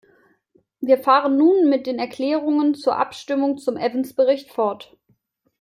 Wir fahren nun mit den Erklärungen zur Abstimmung zum Evans-Bericht fort.